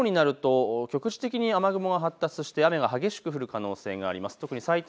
日中、特に午後になると局地的に雨雲が発達して雨が激しく降る可能性があります。